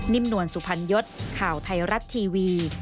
นิ้มนวลสุพันยศข่าวไทยรัตทีวี